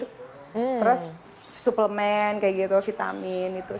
terus suplemen kayak gitu vitamin gitu